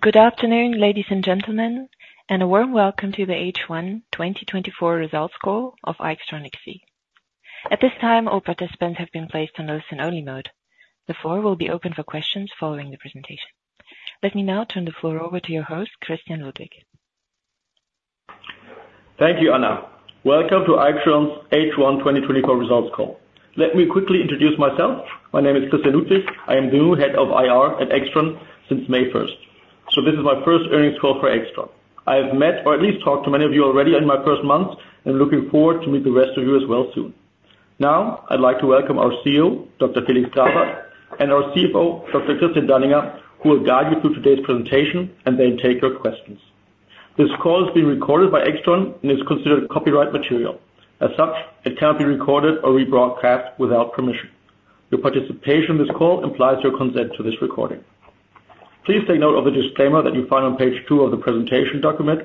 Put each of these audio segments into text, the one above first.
Good afternoon, ladies and gentlemen, and a warm welcome to the H1 2024 Results Call of AIXTRON SE. At this time, all participants have been placed on listen-only mode. The floor will be open for questions following the presentation. Let me now turn the floor over to your host, Christian Ludwig. Thank you, Anna. Welcome to AIXTRON's H1 2024 Results Call. Let me quickly introduce myself. My name is Christian Ludwig. I am the new head of IR at AIXTRON since May 1st, so this is my first earnings call for AIXTRON. I have met, or at least talked to many of you already in my first month, and looking forward to meet the rest of you as well soon. Now, I'd like to welcome our CEO, Dr. Felix Grawert, and our CFO, Dr. Christian Danninger, who will guide you through today's presentation, and then take your questions. This call is being recorded by AIXTRON and is considered copyright material. As such, it cannot be recorded or rebroadcast without permission. Your participation in this call implies your consent to this recording. Please take note of the disclaimer that you find on page two of the presentation document,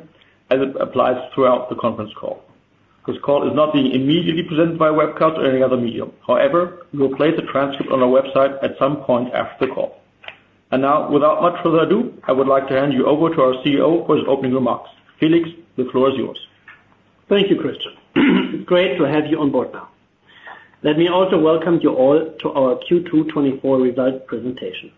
as it applies throughout the conference call. This call is not being immediately presented by webcast or any other medium. However, we will place a transcript on our website at some point after the call. Now, without much further ado, I would like to hand you over to our CEO for his opening remarks. Felix, the floor is yours. Thank you, Christian. Great to have you on board now. Let me also welcome you all to our Q2 2024 result presentation.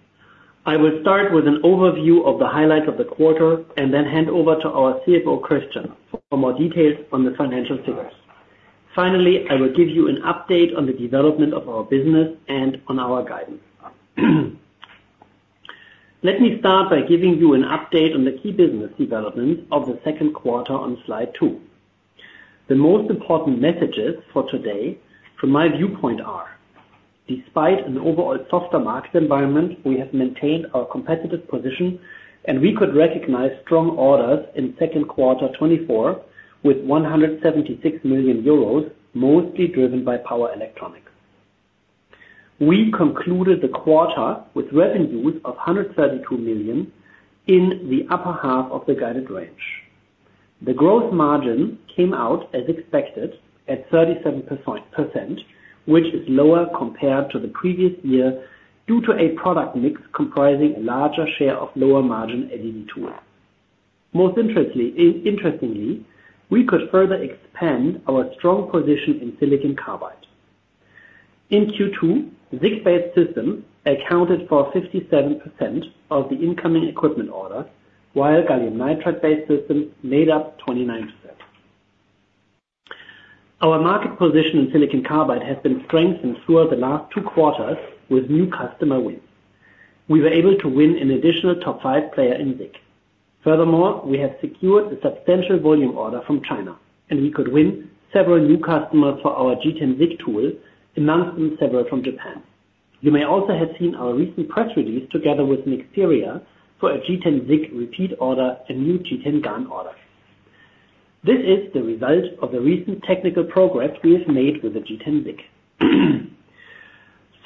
I will start with an overview of the highlights of the quarter and then hand over to our CFO, Christian, for more details on the financial figures. Finally, I will give you an update on the development of our business and on our guidance. Let me start by giving you an update on the key business developments of the second quarter on Slide two. The most important messages for today, from my viewpoint, are: despite an overall softer market environment, we have maintained our competitive position, and we could recognize strong orders in second quarter 2024, with 176 million euros, mostly driven by power electronics. We concluded the quarter with revenues of 132 million in the upper half of the guided range. The gross margin came out as expected at 37%, which is lower compared to the previous year, due to a product mix comprising a larger share of lower margin LED tools. Most interestingly, we could further expand our strong position in silicon carbide. In Q2, SiC-based systems accounted for 57% of the incoming equipment orders, while gallium nitride-based systems made up 29%. Our market position in silicon carbide has been strengthened throughout the last two quarters with new customer wins. We were able to win an additional top five player in SiC. Furthermore, we have secured a substantial volume order from China, and we could win several new customers for our G10-SiC tool, amongst them, several from Japan. You may also have seen our recent press release together with Nexperia for a G10-SiC repeat order, a new G10-GaN order. This is the result of the recent technical progress we have made with the G10-SiC.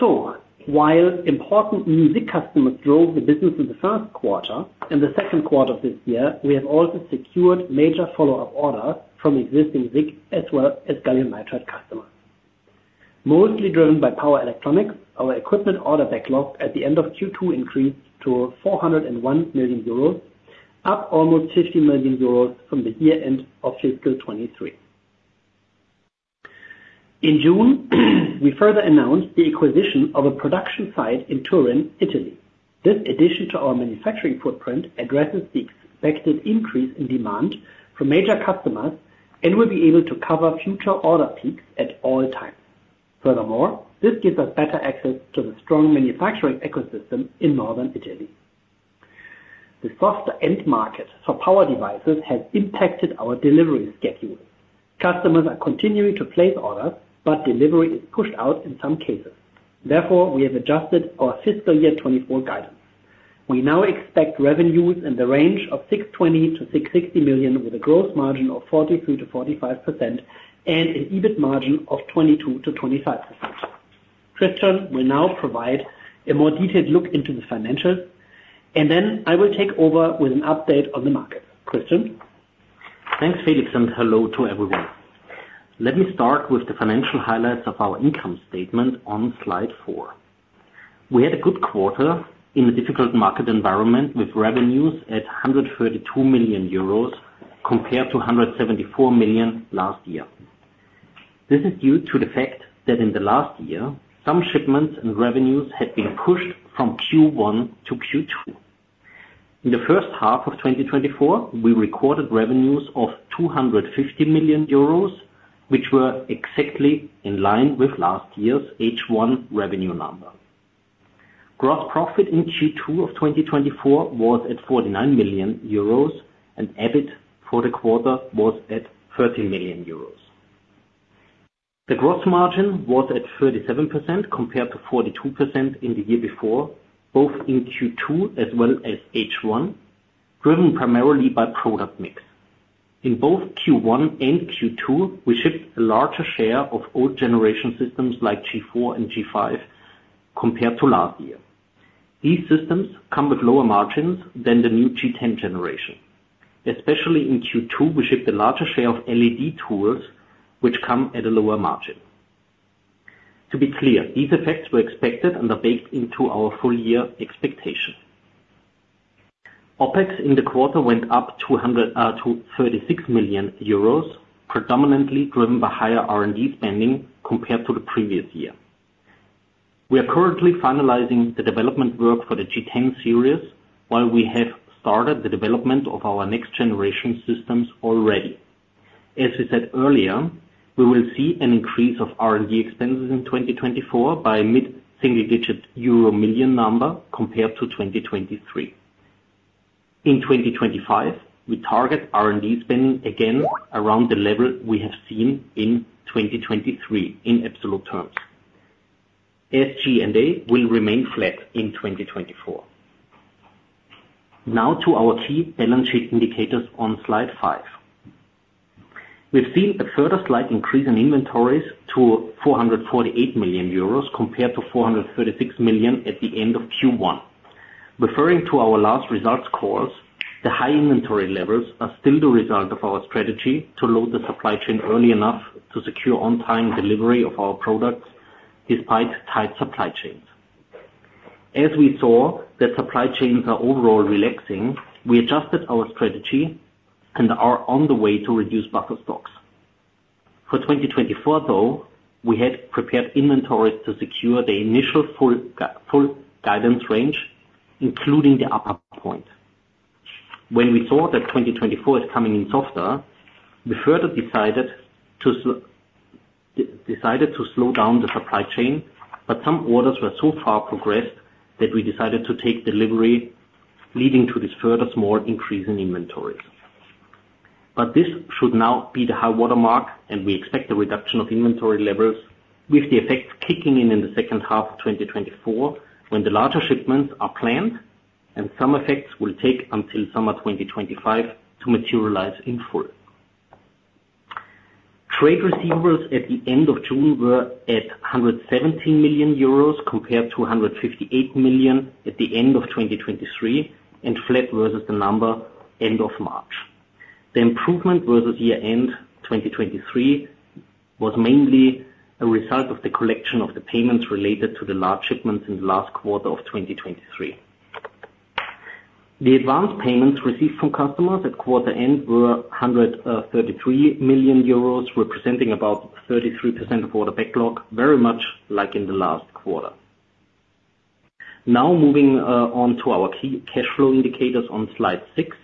So while important new SiC customers drove the business in the first quarter, in the second quarter of this year, we have also secured major follow-up orders from existing SiC, as well as gallium nitride customers. Mostly driven by power electronics, our equipment order backlog at the end of Q2 increased to 401 million euros, up almost 50 million euros from the year end of fiscal 2023. In June, we further announced the acquisition of a production site in Turin, Italy. This addition to our manufacturing footprint addresses the expected increase in demand from major customers and will be able to cover future order peaks at all times. Furthermore, this gives us better access to the strong manufacturing ecosystem in Northern Italy. The softer end market for power devices has impacted our delivery schedule. Customers are continuing to place orders, but delivery is pushed out in some cases. Therefore, we have adjusted our fiscal year 2024 guidance. We now expect revenues in the range of 620 million-660 million, with a gross margin of 43%-45% and an EBIT margin of 22%-25%. Christian will now provide a more detailed look into the financials, and then I will take over with an update on the market. Christian? Thanks, Felix, and hello to everyone. Let me start with the financial highlights of our income statement on Slide four. We had a good quarter in a difficult market environment, with revenues at 132 million euros, compared to 174 million last year. This is due to the fact that in the last year, some shipments and revenues had been pushed from Q1 to Q2. In the first half of 2024, we recorded revenues of 250 million euros, which were exactly in line with last year's H1 revenue number. Gross profit in Q2 of 2024 was at 49 million euros, and EBIT for the quarter was at 13 million euros. The gross margin was at 37%, compared to 42% in the year before, both in Q2 as well as H1, driven primarily by product mix. In both Q1 and Q2, we shipped a larger share of old generation systems like G4 and G5, compared to last year. These systems come with lower margins than the new G10 generation. Especially in Q2, we shipped a larger share of LED tools, which come at a lower margin. To be clear, these effects were expected and are baked into our full year expectation. OpEx in the quarter went up to 36 million euros, predominantly driven by higher R&D spending compared to the previous year. We are currently finalizing the development work for the G10 series, while we have started the development of our next generation systems already. As I said earlier, we will see an increase of R&D expenses in 2024 by mid-single digit euro million number compared to 2023. In 2025, we target R&D spending again around the level we have seen in 2023, in absolute terms. SG&A will remain flat in 2024. Now to our key balance sheet indicators on Slide five. We've seen a further slight increase in inventories to 448 million euros compared to 436 million at the end of Q1. Referring to our last results call, the high inventory levels are still the result of our strategy to load the supply chain early enough to secure on-time delivery of our products, despite tight supply chains. As we saw, the supply chains are overall relaxing. We adjusted our strategy and are on the way to reduce buffer stocks. For 2024, though, we had prepared inventories to secure the initial full guidance range, including the upper point. When we saw that 2024 is coming in softer, we further decided to slow down the supply chain, but some orders were so far progressed that we decided to take delivery, leading to this further small increase in inventory. But this should now be the high water mark, and we expect a reduction of inventory levels, with the effects kicking in in the second half of 2024, when the larger shipments are planned, and some effects will take until summer 2025 to materialize in full. Trade receivables at the end of June were at 117 million euros, compared to 158 million at the end of 2023, and flat versus the number end of March. The improvement versus year-end 2023 was mainly a result of the collection of the payments related to the large shipments in the last quarter of 2023. The advanced payments received from customers at quarter-end were 133 million euros, representing about 33% of order backlog, very much like in the last quarter. Now, moving on to our key cash flow indicators on Slide six.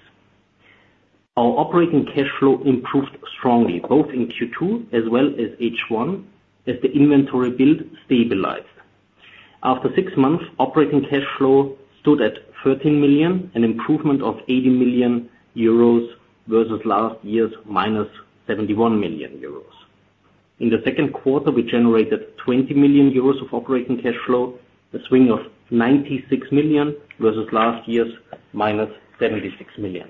Our operating cash flow improved strongly, both in Q2 as well as H1, as the inventory build stabilized. After 6 months, operating cash flow stood at 13 million, an improvement of 80 million euros, versus last year's -71 million euros. In the second quarter, we generated 20 million euros of operating cash flow, a swing of 96 million, versus last year's -76 million.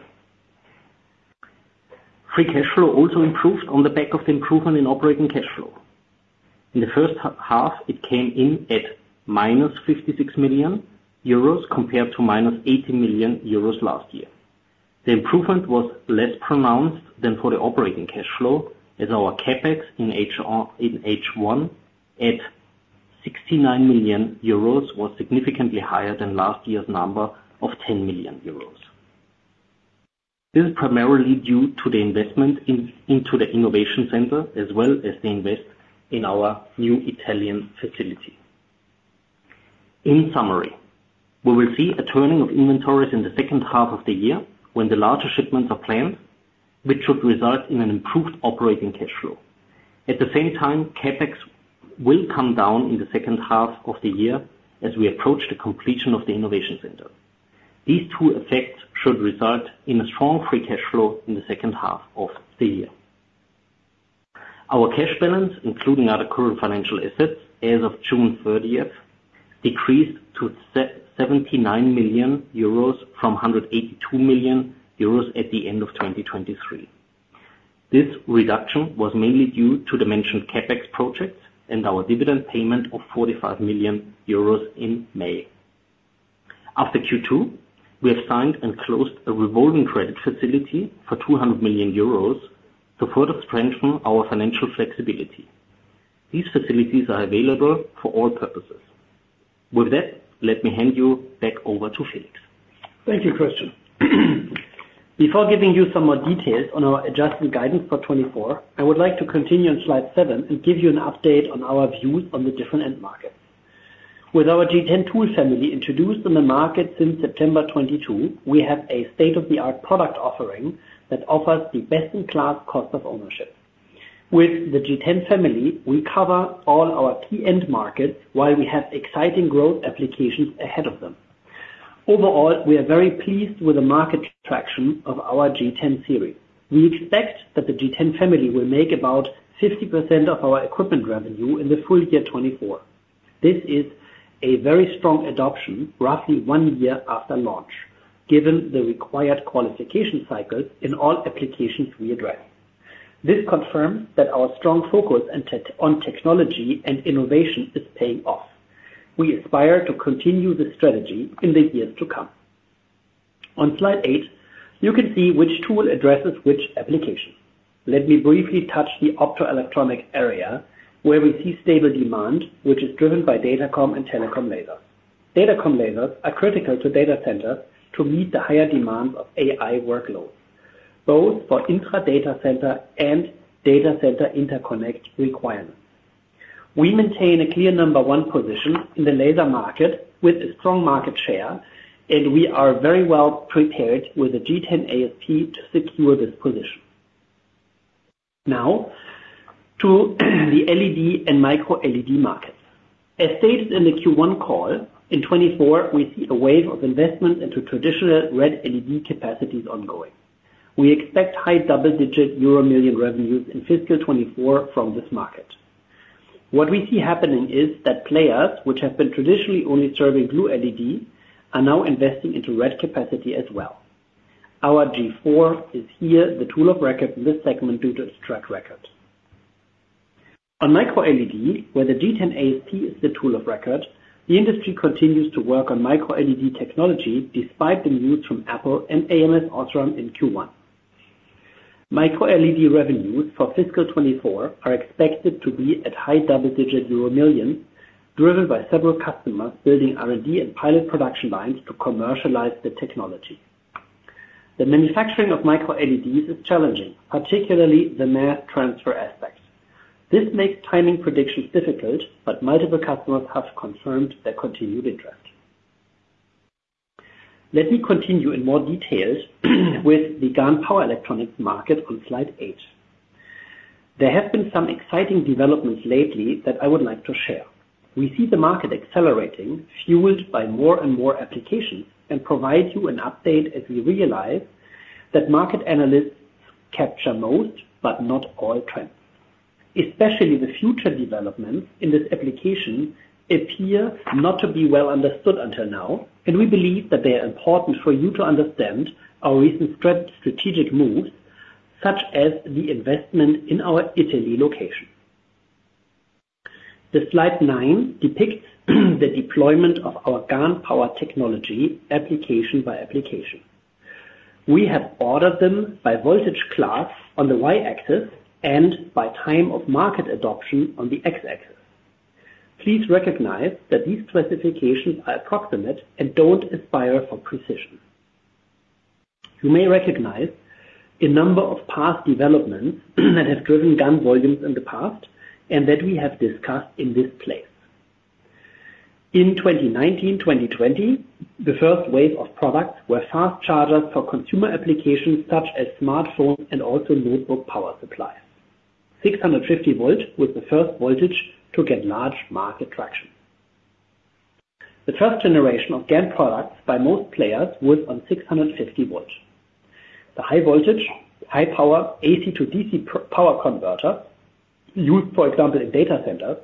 Free cash flow also improved on the back of the improvement in operating cash flow. In the first half, it came in at -56 million euros, compared to -80 million euros last year. The improvement was less pronounced than for the operating cash flow, as our CapEx in H1, at 69 million euros, was significantly higher than last year's number of 10 million euros. This is primarily due to the investment into the innovation center, as well as the investment in our new Italian facility. In summary, we will see a turning of inventories in the second half of the year when the larger shipments are planned, which should result in an improved operating cash flow. At the same time, CapEx will come down in the second half of the year as we approach the completion of the innovation center. These two effects should result in a strong free cash flow in the second half of the year. Our cash balance, including other current financial assets, as of June 30th, decreased to 79 million euros from 182 million euros at the end of 2023. This reduction was mainly due to the mentioned CapEx projects and our dividend payment of 45 million euros in May. After Q2, we have signed and closed a revolving credit facility for 200 million euros to further strengthen our financial flexibility. These facilities are available for all purposes. With that, let me hand you back over to Felix. Thank you, Christian. Before giving you some more details on our adjustment guidance for 2024, I would like to continue on Slide seven and give you an update on our views on the different end markets. With our G10 tool family, introduced on the market since September 2022, we have a state-of-the-art product offering, that offers the best-in-class cost of ownership. With the G10 family, we cover all our key end markets, while we have exciting growth applications ahead of them. Overall, we are very pleased with the market traction of our G10 series. We expect that the G10 family will make about 50% of our equipment revenue in the full year 2024. This is a very strong adoption, roughly one year after launch, given the required qualification cycles in all applications we address. This confirms that our strong focus on on technology and innovation is paying off. We aspire to continue this strategy in the years to come.... On Slide eight, you can see which tool addresses which application. Let me briefly touch the optoelectronic area, where we see stable demand, which is driven by datacom and telecom lasers. Datacom lasers are critical to data centers to meet the higher demands of AI workloads, both for intra data center and data center interconnect requirements. We maintain a clear number one position in the laser market with a strong market share, and we are very well prepared with the G10-AsP to secure this position. Now, to the LED and micro LED markets. As stated in the Q1 call, in 2024, we see a wave of investment into traditional red LED capacities ongoing. We expect high double-digit euro million revenues in fiscal 2024 from this market. What we see happening is that players, which have been traditionally only serving blue LED, are now investing into red capacity as well. Our G4 is here, the tool of record in this segment due to its track record. On micro LED, where the G10-AsP is the tool of record, the industry continues to work on micro LED technology despite the news from Apple and ams OSRAM in Q1. Micro LED revenues for fiscal 2024 are expected to be at high double-digit euro million, driven by several customers building R&D and pilot production lines to commercialize the technology. The manufacturing of micro LEDs is challenging, particularly the mass transfer aspects. This makes timing predictions difficult, but multiple customers have confirmed their continued interest. Let me continue in more details, with the GaN power electronics market on Slide eight. There have been some exciting developments lately that I would like to share. We see the market accelerating, fueled by more and more applications, and provide you an update as we realize that market analysts capture most, but not all trends. Especially the future developments in this application appear not to be well understood until now, and we believe that they are important for you to understand our recent strategic moves, such as the investment in our Italy location. The Slide nine depicts the deployment of our GaN power technology application by application. We have ordered them by voltage class on the Y-axis and by time of market adoption on the X-axis. Please recognize that these specifications are approximate and don't aspire for precision. You may recognize a number of past developments that have driven GaN volumes in the past, and that we have discussed in this place. In 2019, 2020, the first wave of products were fast chargers for consumer applications such as smartphones and also notebook power supplies. 650 volt was the first voltage to get large market traction. The first generation of GaN products by most players was on 650 volts. The high voltage, high power AC to DC power converter used, for example, in data centers,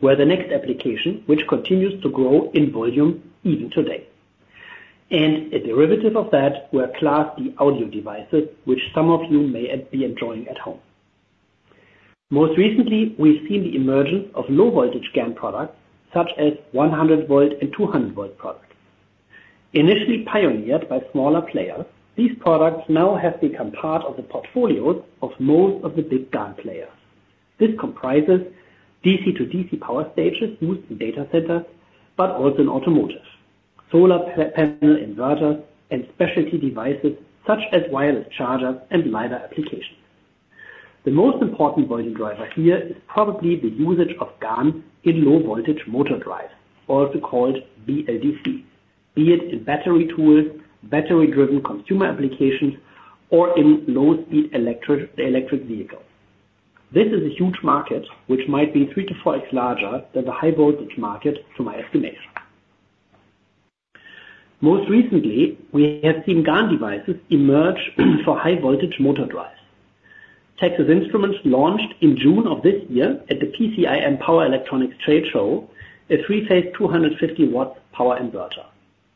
were the next application, which continues to grow in volume even today. And a derivative of that were Class D audio devices, which some of you may be enjoying at home. Most recently, we've seen the emergence of low voltage GaN products, such as 100 volt and 200 volt products. Initially pioneered by smaller players, these products now have become part of the portfolios of most of the big GaN players. This comprises DC to DC power stages used in data centers, but also in automotive, solar panel inverters, and specialty devices such as wireless chargers and LiDAR applications. The most important volume driver here is probably the usage of GaN in low voltage motor drives, also called BLDC, be it in battery tools, battery-driven consumer applications, or in low speed electric vehicles. This is a huge market, which might be 3x-4x larger than the high voltage market, to my estimation. Most recently, we have seen GaN devices emerge for high voltage motor drives. Texas Instruments launched in June of this year at the PCIM Power Electronics Trade Show, a three-phase, 250-watt power inverter.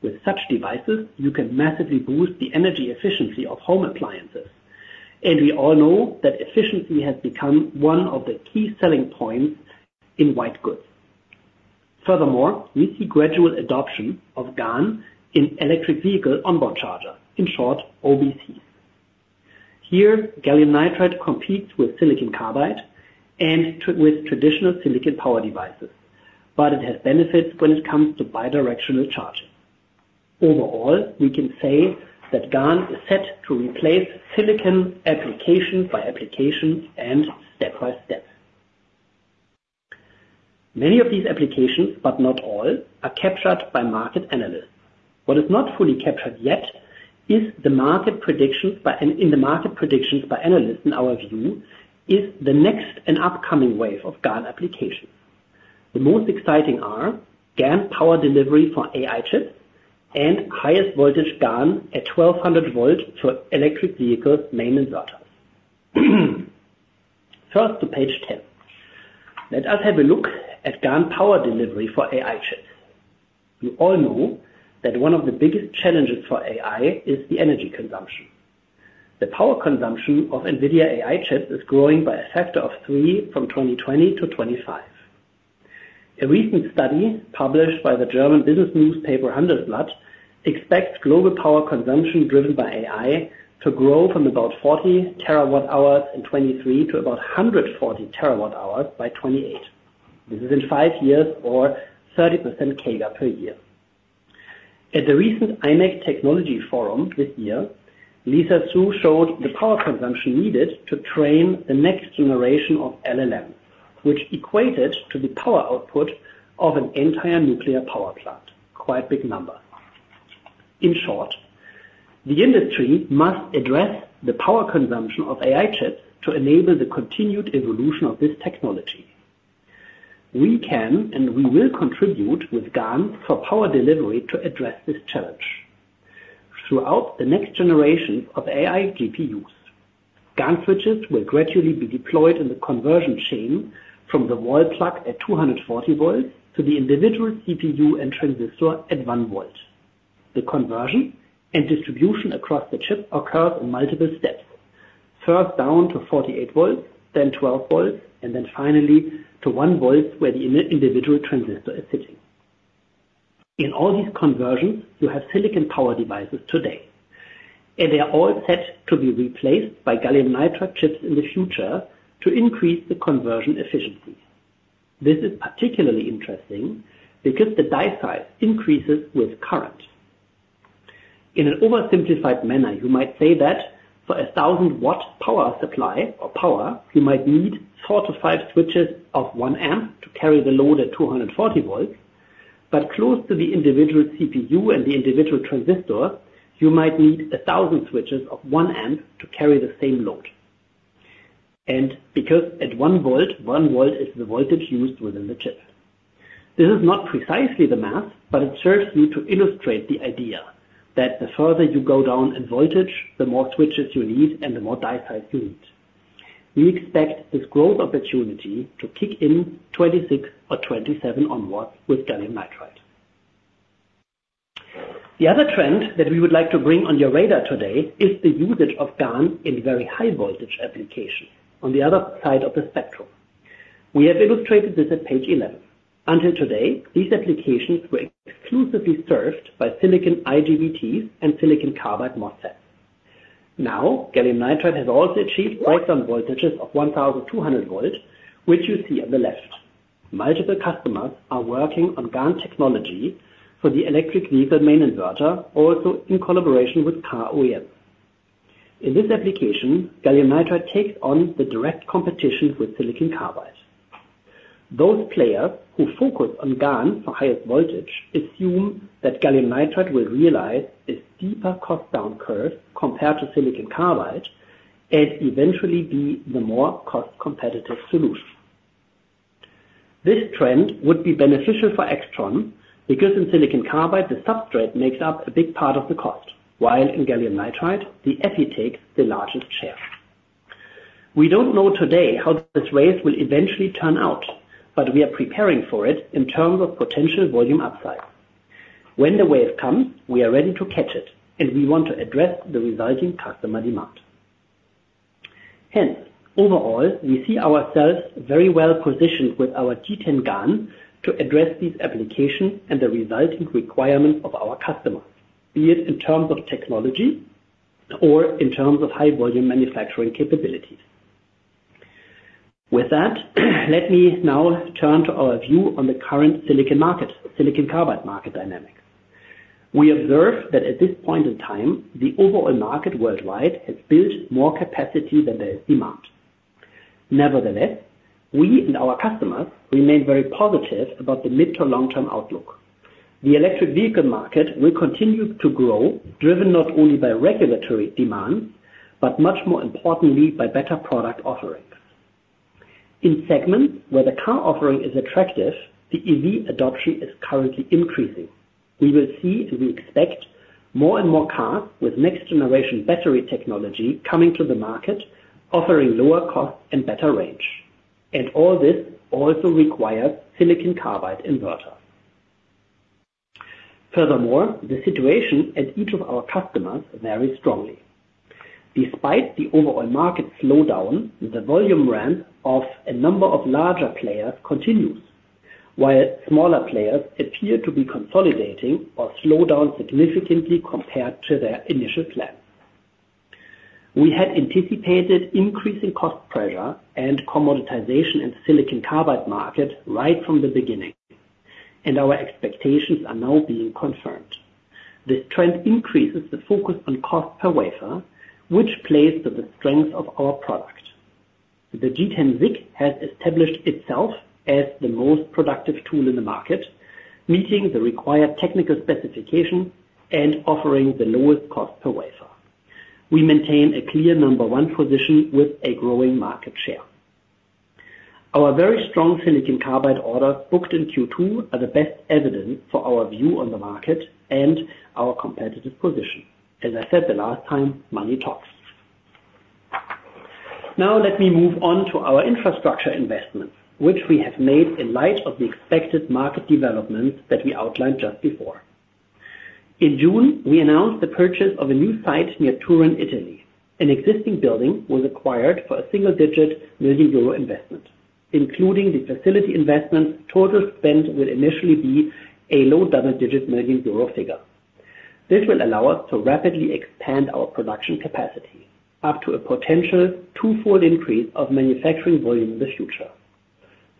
With such devices, you can massively boost the energy efficiency of home appliances, and we all know that efficiency has become one of the key selling points in white goods. Furthermore, we see gradual adoption of GaN in electric vehicle onboard charger, in short, OBC. Here, gallium nitride competes with silicon carbide and with traditional silicon power devices, but it has benefits when it comes to bidirectional charging. Overall, we can say that GaN is set to replace silicon application by application and step by step. Many of these applications, but not all, are captured by market analysts. What is not fully captured yet, in the market predictions by analysts, in our view, is the next and upcoming wave of GaN applications. The most exciting are GaN power delivery for AI chips and highest voltage GaN at 1,200 volts for electric vehicles' main inverters. First, to page ten. Let us have a look at GaN power delivery for AI chips. You all know that one of the biggest challenges for AI is the energy consumption. The power consumption of NVIDIA AI chips is growing by a factor of three from 2020 to 2025.... A recent study published by the German business newspaper, Handelsblatt, expects global power consumption driven by AI to grow from about 40 TWh in 2023, to about 140 TWh by 2028. This is in five years or 30% CAGR per year. At the recent IMEC Technology Forum this year, Lisa Su showed the power consumption needed to train the next generation of LLM, which equated to the power output of an entire nuclear power plant. Quite big number. In short, the industry must address the power consumption of AI chips to enable the continued evolution of this technology. We can, and we will contribute with GaN for power delivery to address this challenge. Throughout the next generation of AI GPUs, GaN switches will gradually be deployed in the conversion chain from the wall plug at 240 volts, to the individual CPU and transistor at one volt. The conversion and distribution across the chip occurs in multiple steps. First, down to 48 volts, then 12 volts, and then finally to one volt, where the individual transistor is sitting. In all these conversions, you have silicon power devices today, and they are all set to be replaced by gallium nitride chips in the future to increase the conversion efficiency. This is particularly interesting because the die size increases with current. In an oversimplified manner, you might say that for a 1,000-watt power supply or power, you might need four to five switches of 1 amp to carry the load at 240 volts, but close to the individual CPU and the individual transistor, you might need 1,000 switches of 1 amp to carry the same load. And because at one volt, one volt is the voltage used within the chip. This is not precisely the math, but it serves me to illustrate the idea, that the further you go down in voltage, the more switches you need and the more die size you need. We expect this growth opportunity to kick in 2026 or 2027 onwards with gallium nitride. The other trend that we would like to bring on your radar today is the usage of GaN in very high voltage application on the other side of the spectrum. We have illustrated this at page eleven. Until today, these applications were exclusively served by silicon IGBTs and silicon carbide MOSFETs. Now, gallium nitride has also achieved breakdown voltages of 1,200 volts, which you see on the left. Multiple customers are working on GaN technology for the electric vehicle main inverter, also in collaboration with car OEM. In this application, gallium nitride takes on the direct competition with silicon carbide. Those players who focus on GaN for highest voltage assume that gallium nitride will realize a steeper cost down curve compared to silicon carbide, and eventually be the more cost competitive solution. This trend would be beneficial for AIXTRON, because in silicon carbide, the substrate makes up a big part of the cost, while in gallium nitride, the epi takes the largest share. We don't know today how this race will eventually turn out, but we are preparing for it in terms of potential volume upside. When the wave comes, we are ready to catch it, and we want to address the resulting customer demand. Hence, overall, we see ourselves very well positioned with our G10 GaN to address these applications and the resulting requirements of our customers, be it in terms of technology or in terms of high volume manufacturing capabilities. With that, let me now turn to our view on the current silicon market, silicon carbide market dynamics. We observe that at this point in time, the overall market worldwide has built more capacity than there is demand. Nevertheless, we and our customers remain very positive about the mid to long-term outlook. The electric vehicle market will continue to grow, driven not only by regulatory demand, but much more importantly, by better product offerings. In segments where the car offering is attractive, the EV adoption is currently increasing. We will see, as we expect, more and more cars with next generation battery technology coming to the market, offering lower cost and better range, and all this also requires silicon carbide inverters. Furthermore, the situation at each of our customers varies strongly. Despite the overall market slowdown, the volume ramp of a number of larger players continues, while smaller players appear to be consolidating or slow down significantly compared to their initial plans. We had anticipated increasing cost pressure and commoditization in the silicon carbide market right from the beginning, and our expectations are now being confirmed. This trend increases the focus on cost per wafer, which plays to the strength of our product. The G10-SiC has established itself as the most productive tool in the market, meeting the required technical specification and offering the lowest cost per wafer. We maintain a clear number one position with a growing market share. Our very strong silicon carbide orders, booked in Q2, are the best evidence for our view on the market and our competitive position. As I said the last time, money talks. Now, let me move on to our infrastructure investments, which we have made in light of the expected market developments that we outlined just before. In June, we announced the purchase of a new site near Turin, Italy. An existing building was acquired for a single-digit million euro investment, including the facility investment. Total spend will initially be a low double-digit million euro figure. This will allow us to rapidly expand our production capacity up to a potential twofold increase of manufacturing volume in the future.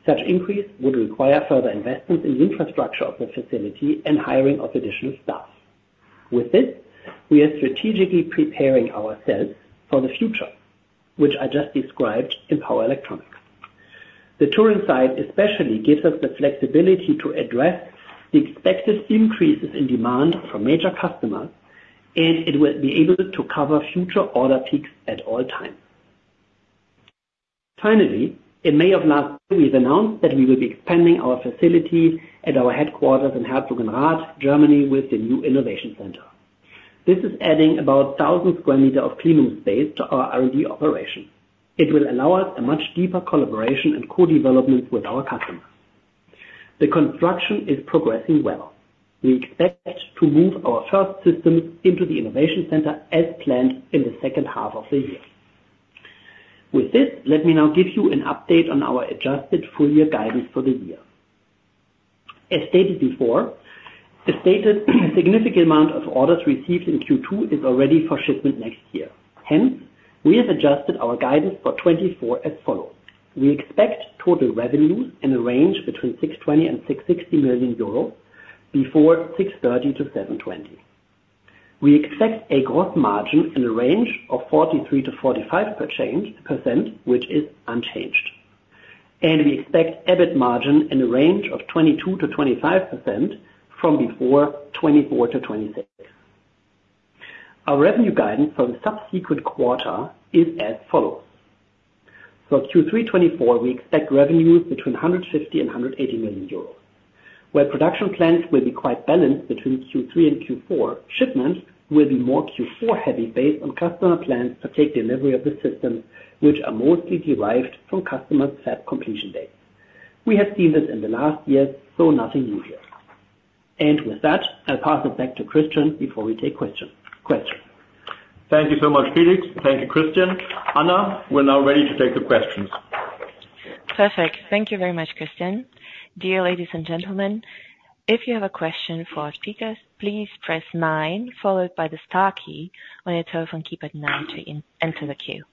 Such increase would require further investments in the infrastructure of the facility and hiring of additional staff. With this, we are strategically preparing ourselves for the future, which I just described in power electronics. The Turin site especially gives us the flexibility to address the expected increases in demand from major customers, and it will be able to cover future order peaks at all times. Finally, in May of last year, we've announced that we will be expanding our facility at our headquarters in Herzogenrath, Germany, with the new innovation center. This is adding about 1,000 square meters of clean room space to our R&D operation. It will allow us a much deeper collaboration and co-development with our customers. The construction is progressing well. We expect to move our first systems into the innovation center as planned in the second half of the year. With this, let me now give you an update on our adjusted full year guidance for the year. As stated before, the stated significant amount of orders received in Q2 is already for shipment next year. Hence, we have adjusted our guidance for 2024 as follows: We expect total revenues in the range between 620 million and 660 million euros, before 630 to 720. We expect a gross margin in the range of 43%-45%, which is unchanged, and we expect EBIT margin in the range of 22%-25% from before 24%-26%. Our revenue guidance for the subsequent quarter is as follows: For Q3 2024, we expect revenues between 150 million and 180 million euros, where production plans will be quite balanced between Q3 and Q4. Shipments will be more Q4 heavy, based on customer plans to take delivery of the systems, which are mostly derived from customer set completion dates. We have seen this in the last year, so nothing new here. And with that, I'll pass it back to Christian before we take question. Thank you so much, Felix. Thank you, Christian. Anna, we're now ready to take the questions. Perfect. Thank you very much, Christian. Dear ladies and gentlemen, if you have a question for our speakers, please press nine followed by the star key on your telephone keypad. Nine to enter the queue.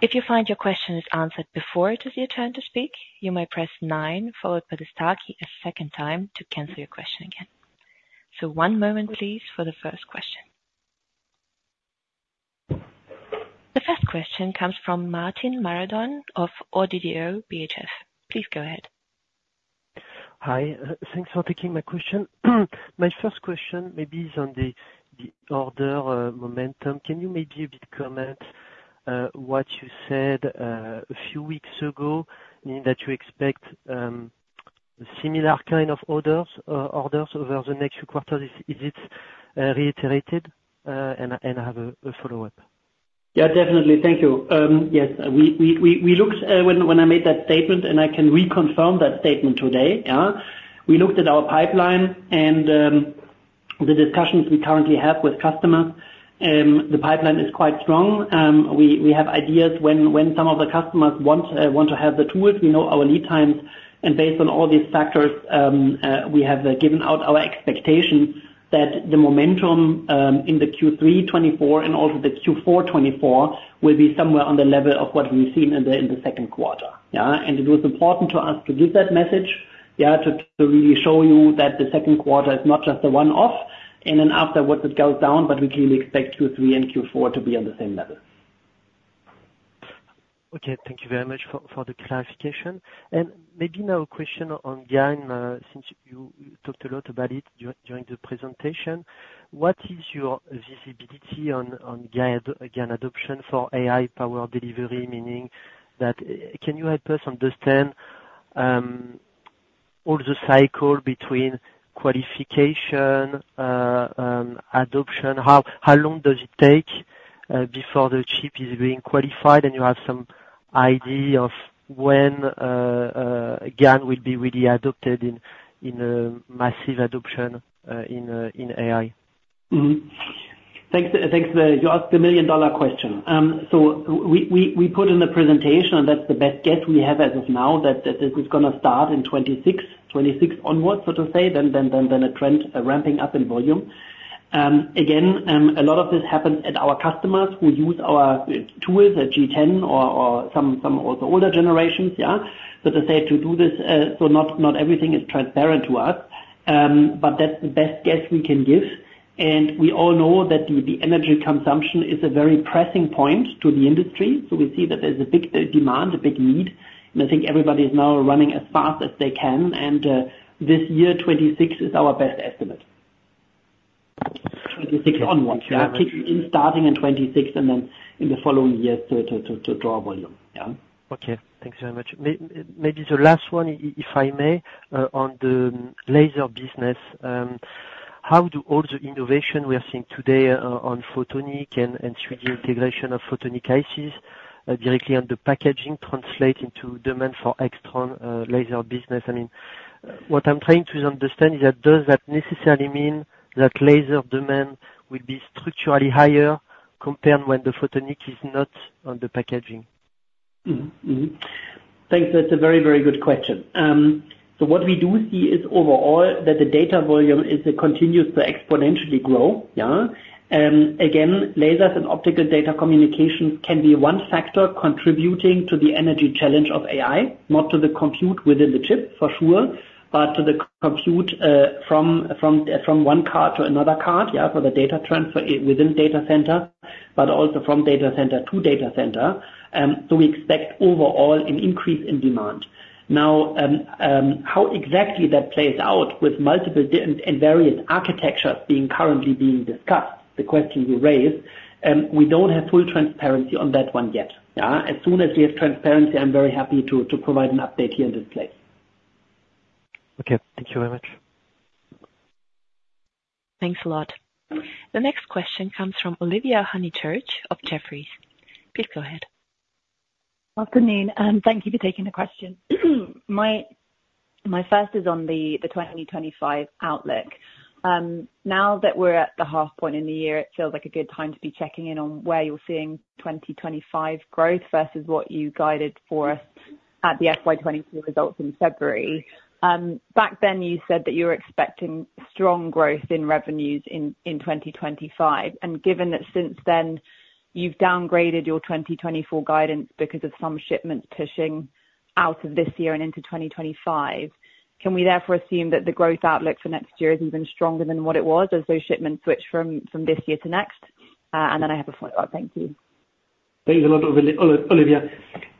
If you find your question is answered before it is your turn to speak, you may press nine followed by the star key a second time to cancel your question again. So one moment, please, for the first question. The first question comes from Martin Marando of ODDO BHF. Please go ahead. Hi, thanks for taking my question. My first question maybe is on the order momentum. Can you maybe a bit comment what you said a few weeks ago, meaning that you expect similar kind of orders over the next few quarters? Is it reiterated? And I have a follow-up. Yeah, definitely. Thank you. Yes, we looked, when I made that statement, and I can reconfirm that statement today, yeah. We looked at our pipeline and, the discussions we currently have with customers, the pipeline is quite strong. We have ideas when some of the customers want to have the tools, we know our lead times, and based on all these factors, we have given out our expectation that the momentum, in the Q3 2024 and also the Q4 2024, will be somewhere on the level of what we've seen in the second quarter. Yeah, and it was important to us to give that message, yeah, to really show you that the second quarter is not just a one-off, and then afterwards it goes down, but we clearly expect Q3 and Q4 to be on the same level. Okay, thank you very much for the clarification. Maybe now a question on GaN, since you talked a lot about it during the presentation. What is your visibility on GaN adoption for AI power delivery? Meaning that, can you help us understand all the cycle between qualification, adoption? How long does it take before the chip is being qualified, and you have some idea of when GaN will be really adopted in a massive adoption in AI? Thanks, thanks. You asked the million dollar question. So we put in the presentation, and that's the best guess we have as of now, that this is gonna start in 2026, 2026 onwards, so to say, then a trend ramping up in volume. Again, a lot of this happens at our customers who use our tools at G10 or some of the older generations, yeah. So to say, to do this, so not everything is transparent to us, but that's the best guess we can give. We all know that the energy consumption is a very pressing point to the industry, so we see that there's a big demand, a big need, and I think everybody is now running as fast as they can, and this year, 2026, is our best estimate. 2026 onwards, yeah. Kicking and starting in 2026, and then in the following years to draw volume. Yeah. Okay, thanks very much. Maybe the last one, if I may, on the laser business. How do all the innovation we are seeing today on photonic and 3D integration of photonic ICs directly on the packaging translate into demand for external laser business? I mean, what I'm trying to understand is that does that necessarily mean that laser demand will be structurally higher compared when the photonics is not on the packaging? Mm-hmm, mm-hmm. Thanks. That's a very, very good question. So what we do see is overall, that the data volume is, it continues to exponentially grow. Yeah. Again, lasers and optical data communication can be one factor contributing to the energy challenge of AI, not to the compute within the chip, for sure, but to the compute, from, from, from one card to another card, yeah, so the data transfer within data center, but also from data center to data center. So we expect overall an increase in demand. Now, how exactly that plays out with multiple different and various architectures being currently discussed, the question you raised, we don't have full transparency on that one yet, yeah? As soon as we have transparency, I'm very happy to provide an update here in this place. Okay. Thank you very much. Thanks a lot. The next question comes from Olivia Honychurch of Jefferies. Please go ahead. Good afternoon, and thank you for taking the question. My first is on the 2025 outlook. Now that we're at the half point in the year, it feels like a good time to be checking in on where you're seeing 2025 growth versus what you guided for us at the FY 2024 results in February. Back then, you said that you were expecting strong growth in revenues in 2025, and given that since then, you've downgraded your 2024 guidance because of some shipments pushing out of this year and into 2025, can we therefore assume that the growth outlook for next year is even stronger than what it was as those shipments switch from this year to next? And then I have a follow-up. Thank you. Thanks a lot, Olivia.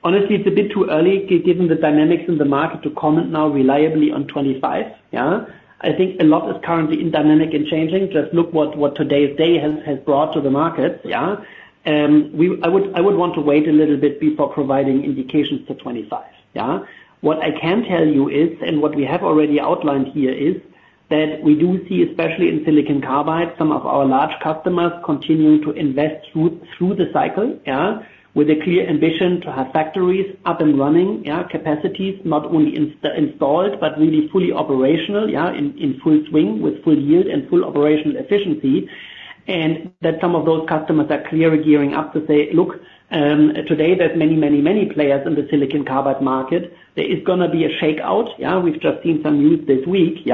Honestly, it's a bit too early given the dynamics in the market, to comment now reliably on 2025, yeah? I think a lot is currently in dynamic and changing. Just look what today's day has brought to the market, yeah? I would want to wait a little bit before providing indications for 2025, yeah? What I can tell you is, and what we have already outlined here, is that we do see, especially in silicon carbide, some of our large customers continuing to invest through the cycle, yeah, with a clear ambition to have factories up and running, yeah, capacities not only installed, but really fully operational, yeah, in full swing, with full yield and full operational efficiency. That some of those customers are clearly gearing up to say, "Look, today, there's many, many, many players in the silicon carbide market. There is gonna be a shakeout," yeah? We've just seen some news this week,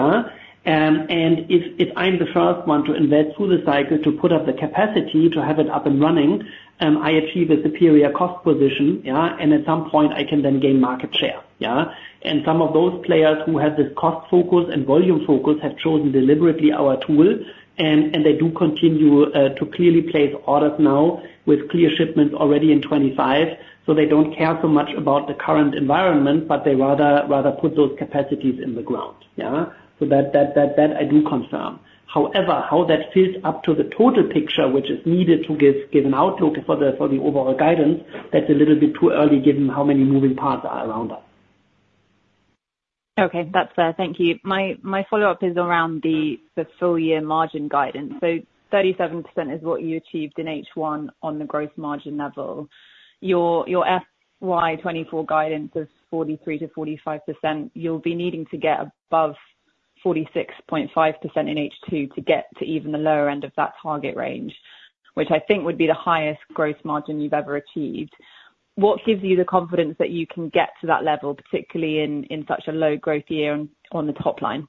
yeah. And if I'm the first one to invest through the cycle to put up the capacity to have it up and running, I achieve a superior cost position, yeah, and at some point, I can then gain market share, yeah? And some of those players who have this cost focus and volume focus have chosen deliberately our tool, and they do continue to clearly place orders now with clear shipments already in 2025. So they don't care so much about the current environment, but they rather put those capacities in the ground, yeah? So that I do confirm. However, how that fits up to the total picture, which is needed to give an outlook for the overall guidance, that's a little bit too early, given how many moving parts are around us. Okay. That's fair. Thank you. My follow-up is around the full year margin guidance. So 37% is what you achieved in H1 on the gross margin level. Your FY 2024 guidance is 43%-45%. You'll be needing to get above 46.5% in H2 to get to even the lower end of that target range, which I think would be the highest gross margin you've ever achieved. What gives you the confidence that you can get to that level, particularly in such a low growth year on the top line?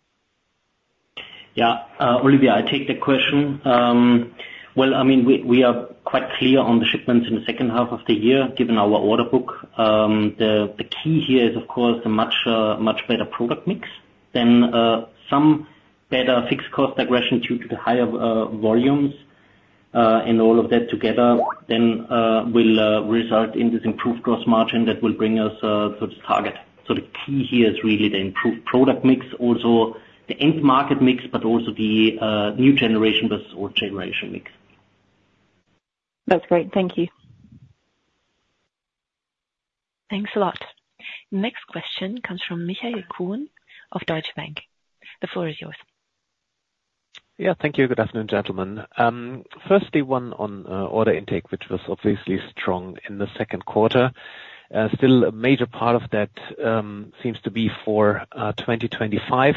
Yeah, Olivia, I take the question. Well, I mean, we, we are quite clear on the shipments in the second half of the year, given our order book. The, the key here is, of course, a much, much better product mix than, some better fixed cost degression due to the higher, volumes. And all of that together then, will, result in this improved gross margin that will bring us, to the target. So the key here is really the improved product mix, also the end market mix, but also the, new generation versus old generation mix. That's great. Thank you. Thanks a lot. Next question comes from Michael Kuhn of Deutsche Bank. The floor is yours. Yeah. Thank you. Good afternoon, gentlemen. Firstly, one on order intake, which was obviously strong in the second quarter. Still a major part of that seems to be for 2025,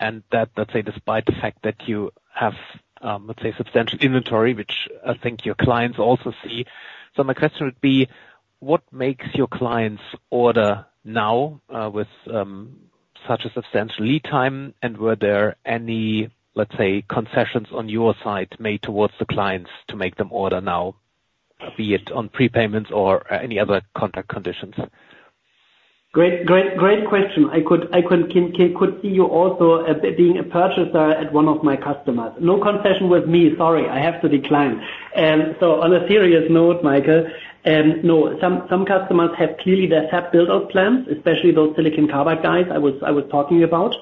and that, let's say, despite the fact that you have, let's say, substantial inventory, which I think your clients also see. So my question would be: What makes your clients order now, with such a substantial lead time? And were there any, let's say, concessions on your side made towards the clients to make them order now, be it on prepayments or any other contract conditions? Great, great, great question. I could see you also as being a purchaser at one of my customers. No concession with me, sorry, I have to decline. So on a serious note, Michael, no, some customers have clearly their fab build-out plans, especially those silicon carbide guys I was talking about.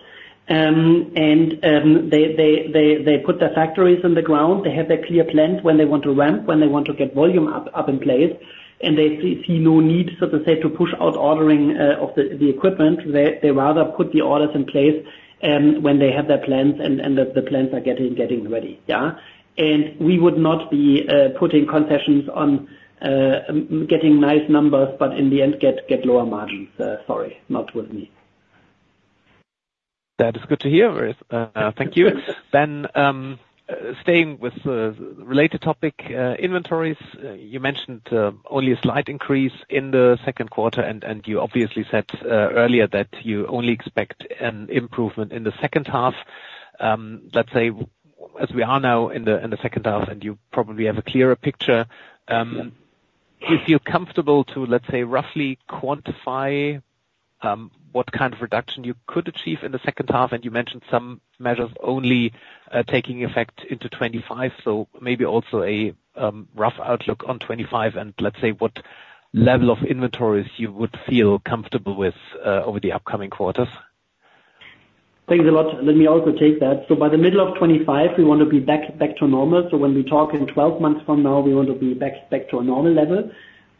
And they put their factories on the ground. They have their clear plans, when they want to ramp, when they want to get volume up in place, and they see no need, so to say, to push out ordering of the equipment. They rather put the orders in place, when they have their plans and the plans are getting ready, yeah? We would not be putting concessions on getting nice numbers, but in the end, get lower margins. Sorry, not with me.... That is good to hear. Thank you. Then, staying with related topic, inventories, you mentioned only a slight increase in the second quarter, and you obviously said earlier that you only expect an improvement in the second half. Let's say, as we are now in the second half, and you probably have a clearer picture, if you're comfortable to roughly quantify what kind of reduction you could achieve in the second half, and you mentioned some measures only taking effect into 2025, so maybe also a rough outlook on 2025, and let's say, what level of inventories you would feel comfortable with over the upcoming quarters? Thanks a lot. Let me also take that. So by the middle of 2025, we want to be back, back to normal. So when we talk in 12 months from now, we want to be back, back to a normal level.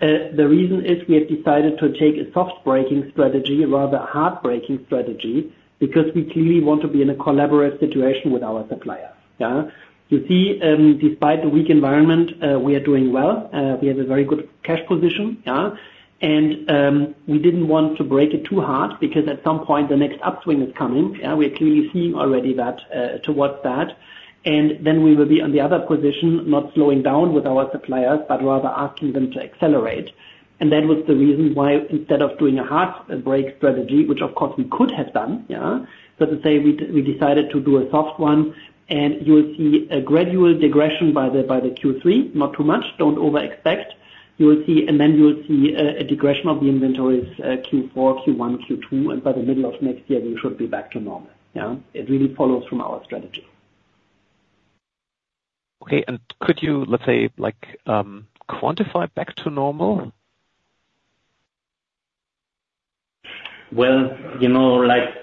The reason is we have decided to take a soft braking strategy rather than a hard braking strategy, because we clearly want to be in a collaborative situation with our suppliers, yeah? You see, despite the weak environment, we are doing well. We have a very good cash position, yeah? And, we didn't want to break it too hard because at some point the next upswing is coming. Yeah, we're clearly seeing already that, towards that. And then we will be on the other position, not slowing down with our suppliers, but rather asking them to accelerate. And that was the reason why, instead of doing a hard break strategy, which of course we could have done, yeah? Let's say we decided to do a soft one, and you will see a gradual regression by the Q3, not too much, don't over expect. You will see, and then you will see a regression of the inventories, Q4, Q1, Q2, and by the middle of next year, we should be back to normal, yeah? It really follows from our strategy. Okay. And could you, let's say, like, quantify back to normal? Well, you know, like,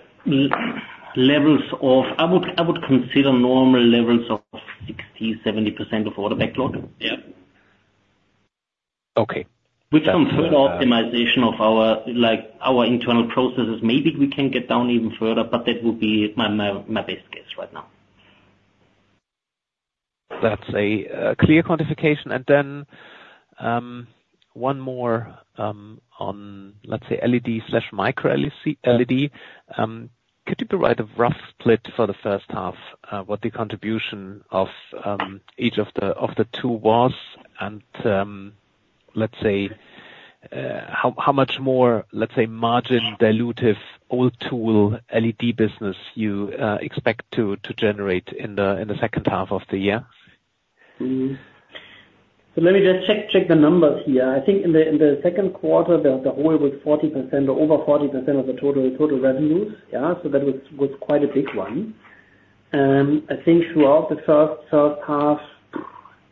levels of... I would, I would consider normal levels of 60%-70% of order backlog. Yeah. Okay. With some further optimization of our, like, our internal processes, maybe we can get down even further, but that would be my best guess right now. That's a clear quantification. And then, one more on, let's say, LED/micro LED. Could you provide a rough split for the first half, what the contribution of each of the two was? And, let's say, how much more, let's say, margin dilutive old tool LED business you expect to generate in the second half of the year? So let me just check the numbers here. I think in the second quarter, the whole was 40% or over 40% of the total revenues. Yeah, so that was quite a big one. I think throughout the first half,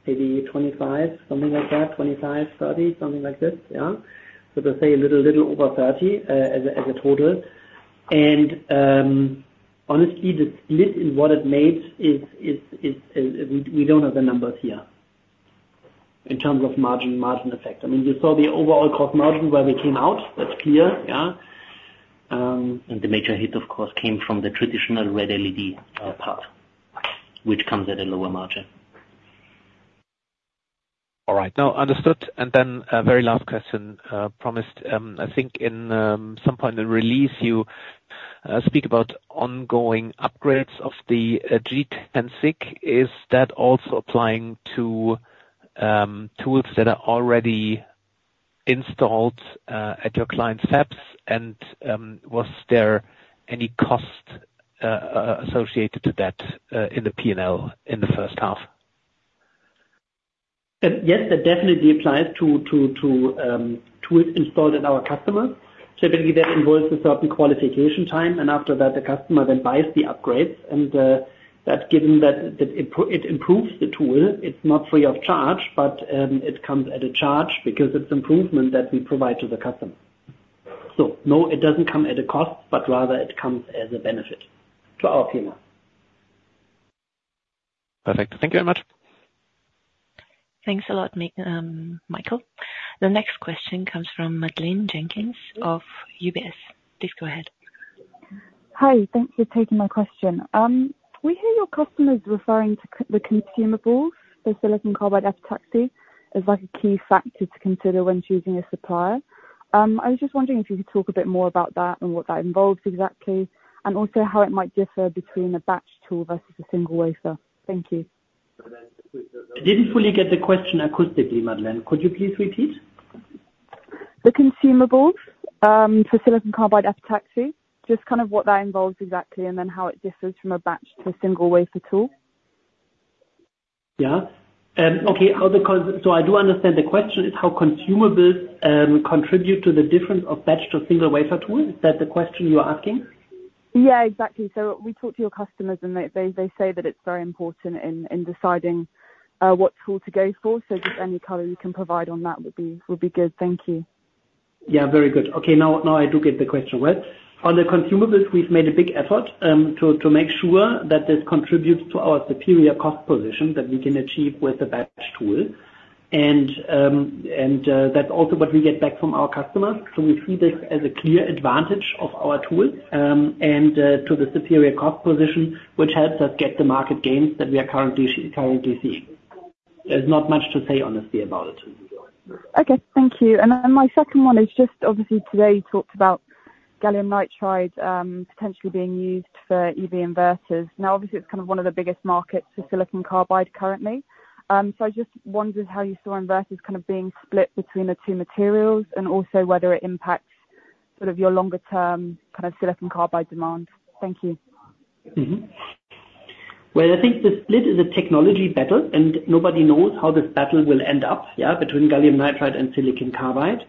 maybe 25, something like that, 25, 30, something like this, yeah. So to say, a little over 30, as a total. And, honestly, the split in what it made is, we don't have the numbers here in terms of margin effect. I mean, you saw the overall cost margin where we came out, that's clear, yeah. And the major hit, of course, came from the traditional red LED part, which comes at a lower margin. All right. No, understood. And then, very last question, promised. I think in some point in the release, you speak about ongoing upgrades of the G10 and SiC. Is that also applying to tools that are already installed at your clients' sites? And, was there any cost associated to that in the P&L in the first half? Yes, that definitely applies to tools installed at our customer. So basically, that involves a certain qualification time, and after that, the customer then buys the upgrades, and that's given that it improves the tool. It's not free of charge, but it comes at a charge because it's improvement that we provide to the customer. So no, it doesn't come at a cost, but rather it comes as a benefit to our customer. Perfect. Thank you very much. Thanks a lot, Michael. The next question comes from Madeleine Jenkins of UBS. Please go ahead. Hi, thanks for taking my question. We hear your customers referring to the consumables, the silicon carbide epitaxy, as, like, a key factor to consider when choosing a supplier. I was just wondering if you could talk a bit more about that and what that involves exactly, and also how it might differ between a batch tool versus a single wafer. Thank you. I didn't fully get the question acoustically, Madeleine. Could you please repeat? The consumables for silicon carbide epitaxy, just kind of what that involves exactly, and then how it differs from a batch to a single wafer tool. Yeah. Okay, so I do understand the question, is how consumables contribute to the difference of batch to single wafer tools? Is that the question you are asking? Yeah, exactly. So we talk to your customers, and they say that it's very important in deciding what tool to go for. So just any color you can provide on that would be good. Thank you. Yeah, very good. Okay, now I do get the question well. On the consumables, we've made a big effort to make sure that this contributes to our superior cost position that we can achieve with the batch tool. And that's also what we get back from our customers. So we see this as a clear advantage of our tool and to the superior cost position, which helps us get the market gains that we are currently seeing. There's not much to say, honestly, about it. Okay, thank you. And then my second one is just obviously today you talked about gallium nitride, potentially being used for EV inverters. Now, obviously, it's kind of one of the biggest markets for silicon carbide currently. So I just wondered how you saw inverters kind of being split between the two materials, and also whether it impacts sort of your longer term, kind of, silicon carbide demand. Thank you. Mm-hmm. Well, I think the split is a technology battle, and nobody knows how this battle will end up, yeah, between gallium nitride and silicon carbide.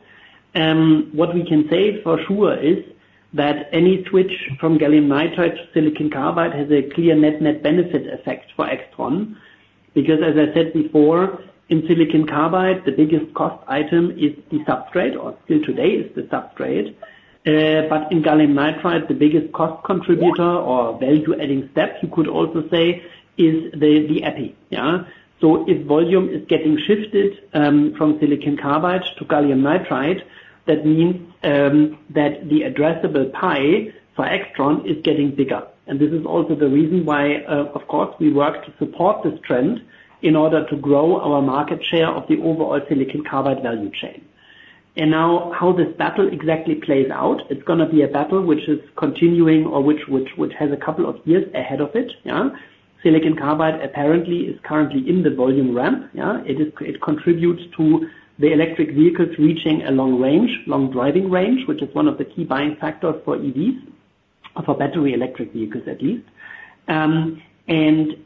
What we can say for sure is that any switch from gallium nitride to silicon carbide has a clear net, net benefit effect for AIXTRON. Because as I said before, in silicon carbide, the biggest cost item is the substrate, or still today, is the substrate. But in gallium nitride, the biggest cost contributor or value-adding step, you could also say, is the epi, yeah? So if volume is getting shifted from silicon carbide to gallium nitride, that means that the addressable pie for AIXTRON is getting bigger. And this is also the reason why, of course, we work to support this trend in order to grow our market share of the overall silicon carbide value chain. Now, how this battle exactly plays out, it's gonna be a battle which is continuing or which has a couple of years ahead of it, yeah? Silicon carbide, apparently, is currently in the volume ramp, yeah. It is, it contributes to the electric vehicles reaching a long range, long driving range, which is one of the key buying factors for EVs, or for battery electric vehicles, at least. And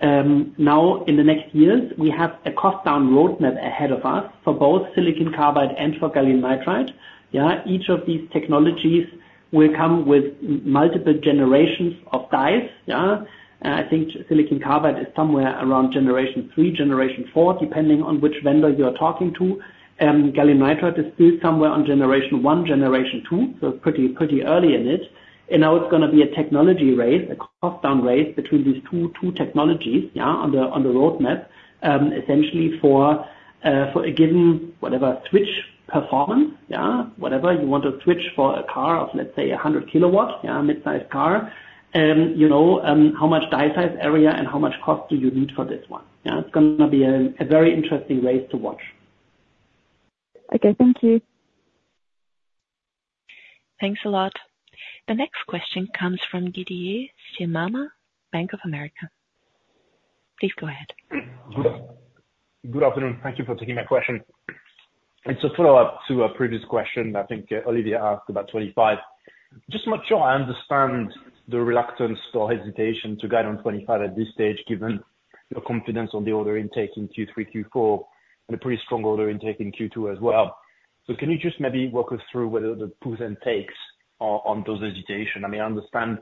now, in the next years, we have a cost down roadmap ahead of us for both silicon carbide and for gallium nitride, yeah. Each of these technologies will come with multiple generations of dies, yeah? I think silicon carbide is somewhere around generation three, generation four, depending on which vendor you are talking to. Gallium nitride is still somewhere on generation one, generation two, so pretty early in it. And now it's gonna be a technology race, a cost down race between these two technologies, yeah, on the roadmap. Essentially for a given, whatever, switch performance, yeah, whatever you want to switch for a car of, let's say, 100 kW, yeah, mid-sized car. You know how much die size area and how much cost do you need for this one, yeah? It's gonna be a very interesting race to watch. Okay, thank you. Thanks a lot. The next question comes from Didier Scemama, Bank of America. Please go ahead. Good afternoon. Thank you for taking my question. It's a follow-up to a previous question, I think, Olivia asked about 2025. Just not sure I understand the reluctance or hesitation to guide on 2025 at this stage, given your confidence on the order intake in Q3, Q4, and a pretty strong order intake in Q2 as well. So can you just maybe walk us through what are the pros and cons of that hesitation? I mean, I understand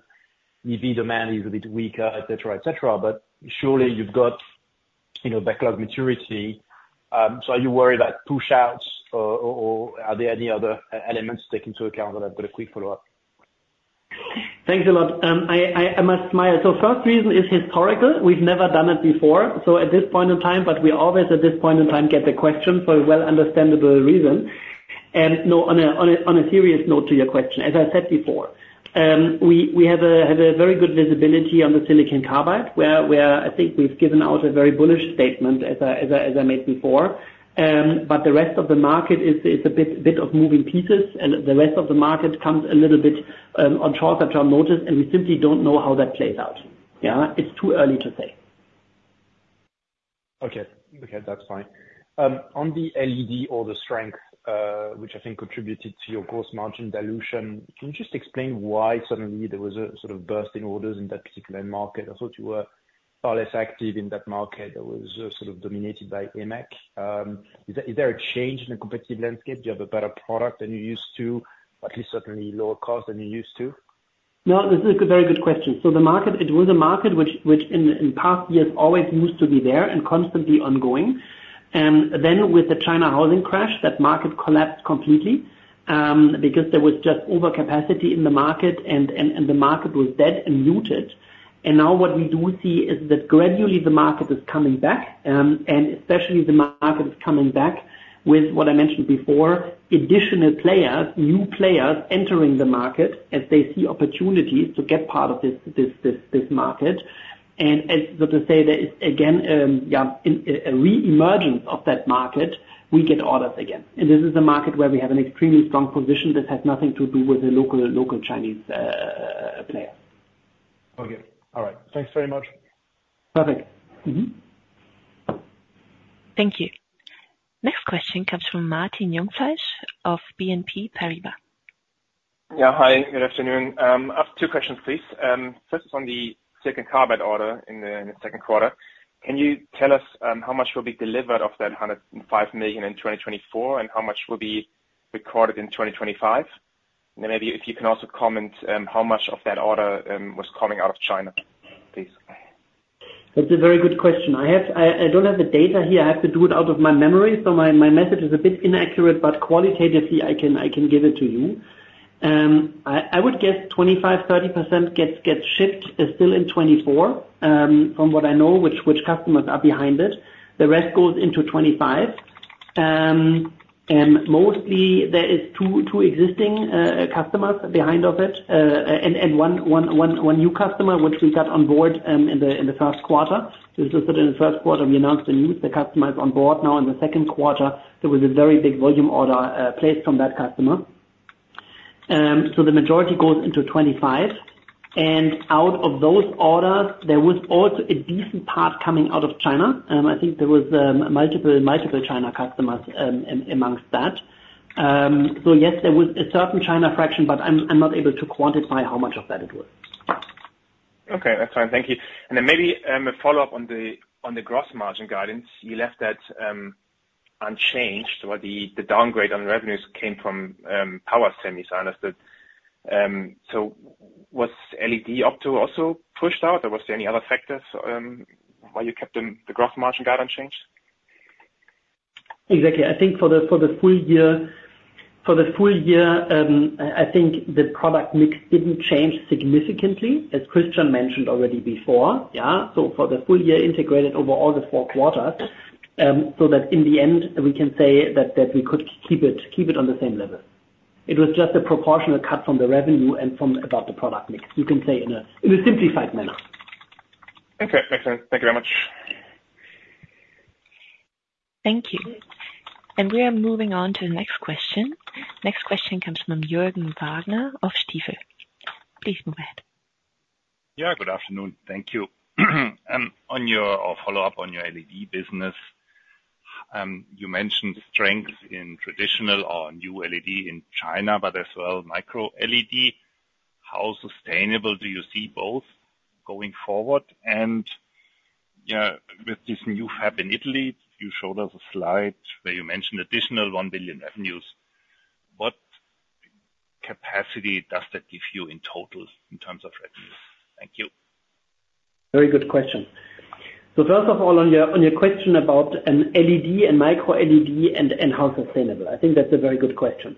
EV demand is a bit weaker, et cetera, et cetera, but surely you've got, you know, backlog maturity. So are you worried about pushouts or are there any other elements to take into account? And I've got a quick follow-up. Thanks a lot. I must smile. So first reason is historical. We've never done it before, so at this point in time, but we always, at this point in time, get the question for a well understandable reason. And no, on a serious note to your question, as I said before, we have a very good visibility on the silicon carbide, where I think we've given out a very bullish statement, as I made before. But the rest of the market is a bit of moving pieces, and the rest of the market comes a little bit on shorter term notice, and we simply don't know how that plays out. Yeah, it's too early to say. Okay. Okay, that's fine. On the LED order strength, which I think contributed to your gross margin dilution, can you just explain why suddenly there was a sort of burst in orders in that particular market? I thought you were far less active in that market, that was sort of dominated by AMEC. Is there, is there a change in the competitive landscape? Do you have a better product than you used to, at least certainly lower cost than you used to? No, this is a very good question. So the market, it was a market which in past years always used to be there and constantly ongoing. And then with the China housing crash, that market collapsed completely, because there was just overcapacity in the market, and the market was dead and muted. And now what we do see is that gradually the market is coming back, and especially the market is coming back with what I mentioned before, additional players, new players entering the market as they see opportunities to get part of this market. And as so to say, there is again a reemergence of that market, we get orders again. And this is a market where we have an extremely strong position. This has nothing to do with the local Chinese player. Okay. All right. Thanks very much. Perfect. Mm-hmm. Thank you. Next question comes from Martin Jungfleisch of BNP Paribas. Yeah, hi, good afternoon. I have two questions, please. First, on the silicon carbide order in the second quarter, can you tell us how much will be delivered of that 105 million in 2024, and how much will be recorded in 2025? And then maybe if you can also comment, how much of that order was coming out of China, please? That's a very good question. I don't have the data here. I have to do it out of my memory, so my message is a bit inaccurate, but qualitatively, I can give it to you. I would guess 25%, 30% gets shipped, still in 2024, from what I know, which customers are behind it. The rest goes into 2025. And mostly there is two existing customers behind of it. And one new customer, which we got on board, in the first quarter. This was in the first quarter, we announced the news. The customer is on board now in the second quarter. There was a very big volume order, placed from that customer. So the majority goes into 2025, and out of those orders, there was also a decent part coming out of China. I think there was multiple China customers amongst that. So yes, there was a certain China fraction, but I'm not able to quantify how much of that it was. Okay, that's fine. Thank you. And then maybe a follow-up on the gross margin guidance. You left that unchanged, while the downgrade on the revenues came from power semis I noticed that. So, was LED opto also pushed out, or was there any other factors why you kept the gross margin guidance changed? Exactly. I think for the, for the full year, for the full year, I, I think the product mix didn't change significantly, as Christian mentioned already before, yeah. So for the full year integrated over all the four quarters, so that in the end, we can say that, that we could keep it, keep it on the same level. It was just a proportional cut from the revenue and from about the product mix, you can say in a, in a simplified manner. Okay, makes sense. Thank you very much. Thank you. We are moving on to the next question. Next question comes from Jürgen Wagner of Stifel. Please go ahead. Yeah, good afternoon. Thank you. On your, a follow-up on your LED business, you mentioned strength in traditional or new LED in China, but as well, micro LED. How sustainable do you see both going forward? And, yeah, with this new fab in Italy, you showed us a slide where you mentioned additional 1 billion revenues. What capacity does that give you in total in terms of revenues? Thank you. Very good question. So first of all, on your, on your question about an LED and micro LED and, and how sustainable. I think that's a very good question.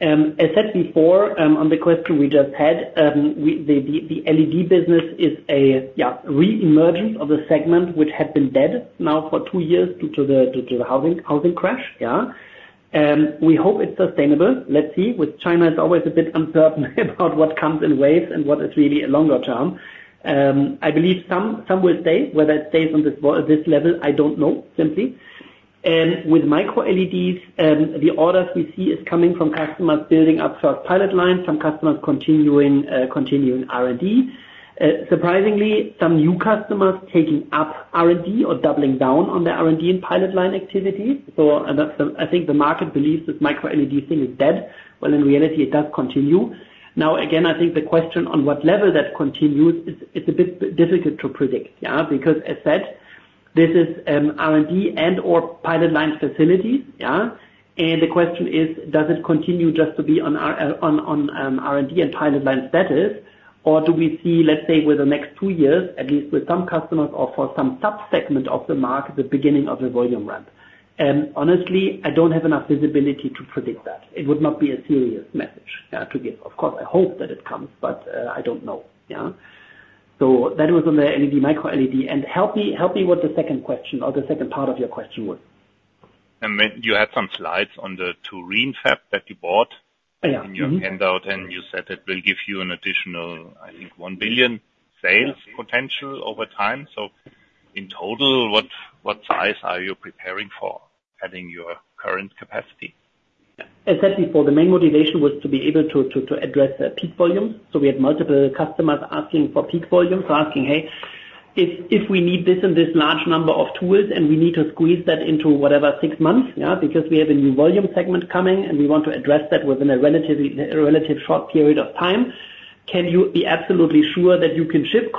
I said before, on the question we just had, the LED business is a, yeah, reemergence of a segment which had been dead now for two years due to the housing crash, yeah? We hope it's sustainable. Let's see, with China, it's always a bit uncertain about what comes in waves and what is really a longer term. I believe some will stay. Whether it stays on this this level, I don't know, simply. With micro LEDs, the orders we see is coming from customers building up first pilot lines, some customers continuing, continuing R&D. Surprisingly, some new customers taking up R&D or doubling down on their R&D and pilot line activity. So that's the... I think the market believes this micro LED thing is dead, when in reality it does continue. Now, again, I think the question on what level that continues, it's a bit difficult to predict, yeah? Because as said, this is R&D and/or pilot line facilities, yeah? And the question is, does it continue just to be on R&D and pilot line status, or do we see, let's say, with the next two years, at least with some customers or for some subsegment of the market, the beginning of the volume ramp? And honestly, I don't have enough visibility to predict that. It would not be a serious message to give. Of course, I hope that it comes, but I don't know, yeah. So that was on the LED, Micro LED. And help me, help me with the second question or the second part of your question was? You had some slides on the Turin fab that you bought- Yeah, mm-hmm. -in your handout, and you said it will give you an additional, I think, 1 billion sales potential over time. So in total, what, what size are you preparing for, adding your current capacity? As said before, the main motivation was to be able to address the peak volume. So we had multiple customers asking for peak volume. So asking, "Hey, if we need this and this large number of tools, and we need to squeeze that into whatever six months, yeah? Because we have a new volume segment coming, and we want to address that within a relatively short period of time. Can you be absolutely sure that you can ship,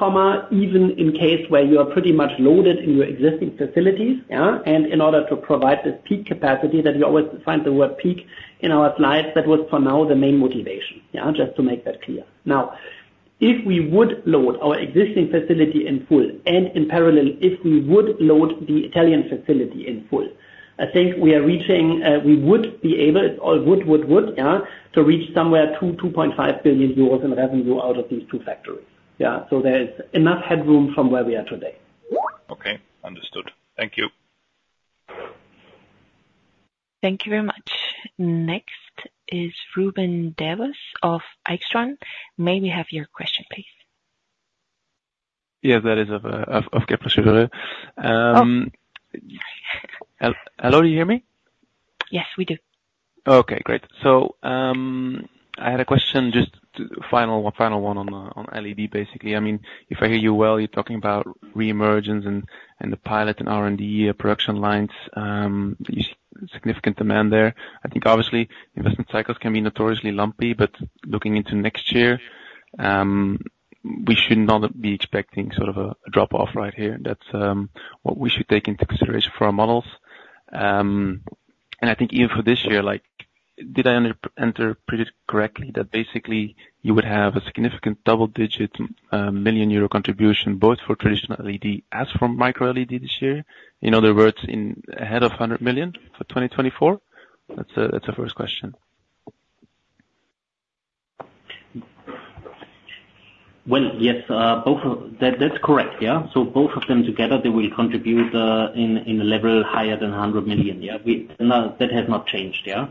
even in case where you are pretty much loaded in your existing facilities, yeah? And in order to provide this peak capacity, that you always find the word peak in our slides, that was for now the main motivation. Yeah, just to make that clear. Now, if we would load our existing facility in full and in parallel, if we would load the Italian facility in full, I think we would be able to reach somewhere 2 billion-2.5 billion euros in revenue out of these two factories. Yeah, so there is enough headroom from where we are today. Okay, understood. Thank you. Thank you very much. Next is Ruben Devos of Kepler Cheuvreux. May we have your question, please? Yes, that is of Kepler Cheuvreux. Oh. Hello, do you hear me? Yes, we do. Okay, great. So, I had a question, just final, final one on, on LED, basically. I mean, if I hear you well, you're talking about reemergence and, and the pilot and R&D production lines, significant demand there. I think obviously, investment cycles can be notoriously lumpy, but looking into next year, we should not be expecting sort of a drop-off right here. That's, what we should take into consideration for our models. And I think even for this year, like, did I misinterpret correctly, that basically you would have a significant double-digit million euro contribution, both for traditional LED as from micro LED this year? In other words, in excess of 100 million for 2024? That's the, that's the first question. ... Well, yes, both of them, that's correct, yeah. So both of them together, they will contribute in a level higher than 100 million, yeah. No, that has not changed, yeah?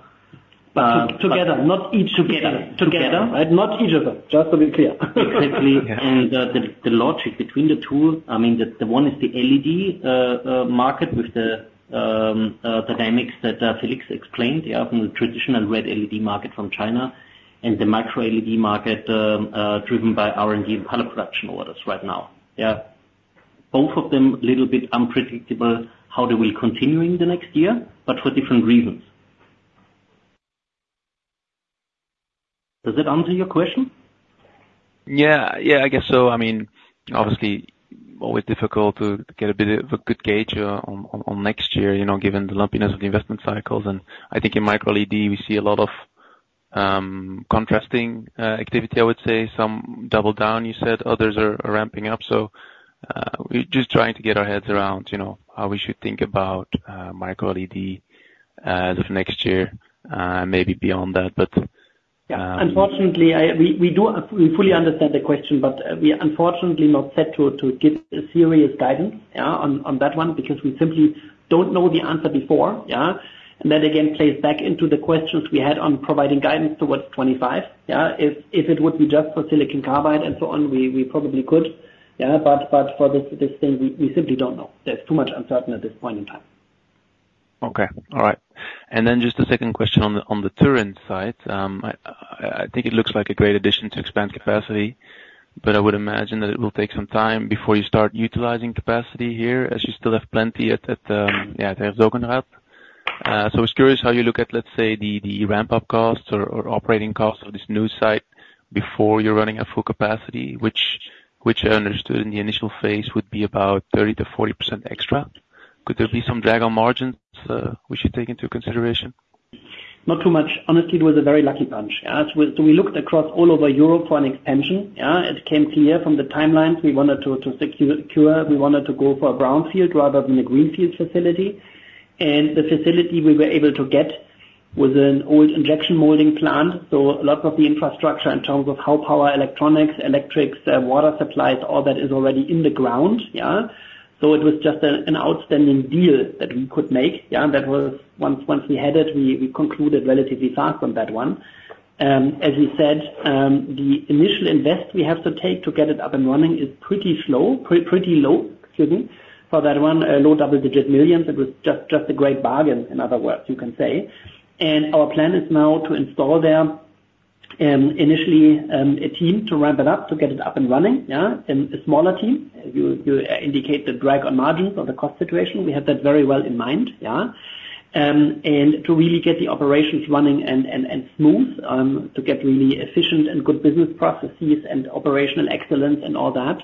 Together, not each together. Together. Together, and not each of them, just to be clear. Exactly. And, the logic between the two, I mean, the one is the LED market with the dynamics that Felix explained, yeah, from the traditional red LED market from China, and the micro LED market, driven by R&D and color production orders right now. Yeah. Both of them, a little bit unpredictable, how they will continue in the next year, but for different reasons. Does that answer your question? Yeah. Yeah, I guess so. I mean, obviously, always difficult to get a bit of a good gauge on next year, you know, given the lumpiness of the investment cycles. And I think in micro LED, we see a lot of contrasting activity, I would say. Some double down, you said, others are ramping up. So, we're just trying to get our heads around, you know, how we should think about micro LED this next year and maybe beyond that. But, Yeah. Unfortunately, we fully understand the question, but we are unfortunately not set to give a serious guidance, yeah, on that one, because we simply don't know the answer before, yeah? And that, again, plays back into the questions we had on providing guidance towards 2025, yeah. If it would be just for silicon carbide and so on, we probably could, yeah. But for this thing, we simply don't know. There's too much uncertain at this point in time. Okay. All right. And then just a second question on the Turin side. I think it looks like a great addition to expand capacity, but I would imagine that it will take some time before you start utilizing capacity here, as you still have plenty at Herzogenrath. So I was curious how you look at, let's say, the ramp-up costs or operating costs of this new site before you're running at full capacity, which I understood in the initial phase would be about 30%-40% extra. Could there be some drag on margins we should take into consideration? Not too much. Honestly, it was a very lucky punch. So we looked across all over Europe for an expansion, yeah. It came clear from the timelines we wanted to secure. We wanted to go for a brownfield rather than a greenfield facility. And the facility we were able to get was an old injection molding plant, so a lot of the infrastructure in terms of how power, electronics, electrics, water supplies, all that is already in the ground, yeah? So it was just an outstanding deal that we could make, yeah. That was once we had it, we concluded relatively fast on that one. As we said, the initial invest we have to take to get it up and running is pretty low, excuse me, for that one, a low double-digit million euro. It was just a great bargain, in other words, you can say. And our plan is now to install there, initially, a team to ramp it up, to get it up and running, yeah, a smaller team. You indicate the drag on margins or the cost situation. We have that very well in mind, yeah. And to really get the operations running and smooth, to get really efficient and good business processes and operational excellence and all that.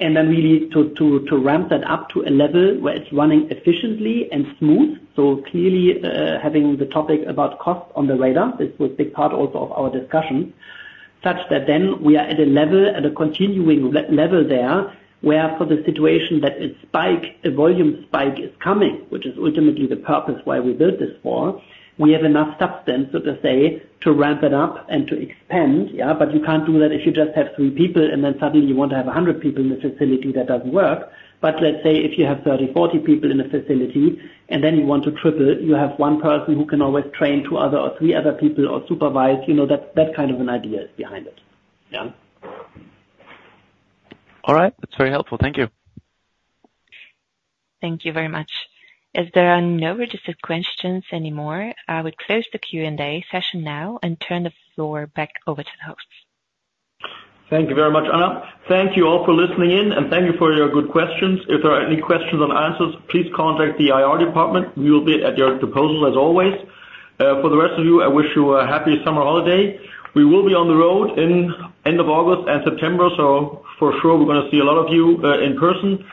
And then we need to ramp that up to a level where it's running efficiently and smooth. So clearly, having the topic about cost on the radar, this was a big part also of our discussion, such that then we are at a level, at a continuing level there, where for the situation that a spike, a volume spike is coming, which is ultimately the purpose why we built this for. We have enough substance, so to say, to ramp it up and to expand, yeah, but you can't do that if you just have three people, and then suddenly you want to have 100 people in the facility, that doesn't work. But let's say if you have 30, 40 people in a facility, and then you want to triple it, you have one person who can always train two other or three other people or supervise, you know, that's, that kind of an idea is behind it. Yeah. All right. That's very helpful. Thank you. Thank you very much. As there are no registered questions anymore, I would close the Q&A session now and turn the floor back over to the host. Thank you very much, Anna. Thank you all for listening in, and thank you for your good questions. If there are any questions on answers, please contact the IR department. We will be at your disposal as always. For the rest of you, I wish you a happy summer holiday. We will be on the road in end of August and September, so for sure we're gonna see a lot of you, in person.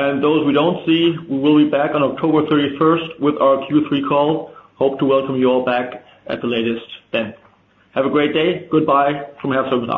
And those we don't see, we will be back on October thirty-first with our Q3 call. Hope to welcome you all back at the latest then. Have a great day. Goodbye from AIXTRON SE.